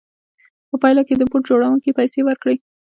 په پایله کې یې د بوټ جوړوونکي پیسې ورکړې